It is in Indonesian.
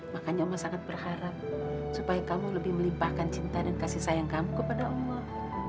makanya allah sangat berharap supaya kamu lebih melimpahkan cinta dan kasih sayang kamu kepada allah